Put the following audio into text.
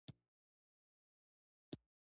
موږ په فوسال کې آسیايي مقام لرو.